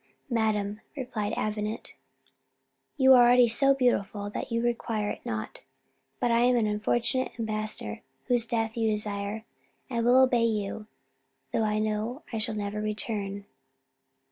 "Madam," replied Avenant, "you are already so beautiful that you require it not; but I am an unfortunate ambassador whose death you desire: I will obey you, though I know I shall never return."